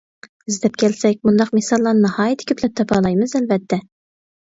ئىزدەپ كەلسەك، مۇنداق مىساللارنى ناھايىتى كۆپلەپ تاپالايمىز، ئەلۋەتتە.